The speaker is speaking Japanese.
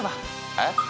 えっ？